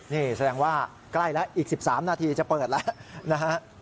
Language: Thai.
นี่แสดงว่าใกล้แล้วอีก๑๓นาทีจะเปิดแล้วนะฮะ